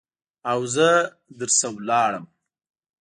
او زه در نه لاړم.